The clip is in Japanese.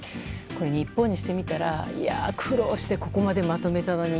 日本にしてみたら、苦労してここまでまとめたのに